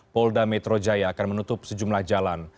polda metro jaya akan menutup sejumlah jalan